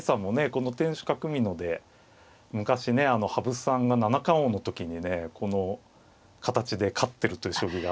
この天守閣美濃で昔ね羽生さんが七冠王の時にねこの形で勝ってるという将棋があったりね。